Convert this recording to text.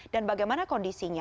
dan bagaimana kondisinya